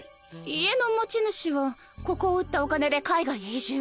家の持ち主はここを売ったお金で海外へ移住。